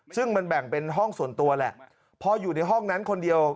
ซึ่งมันแบ่งเป็นห้องส่วนตัวแหละพออยู่ในห้องนั้นคนเดียว